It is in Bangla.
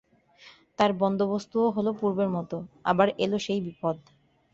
তার বন্দোবস্তও হল পূর্বের মতো, আবার এল সেই বিপদ।